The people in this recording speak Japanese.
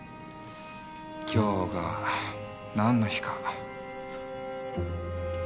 今日が何の日か。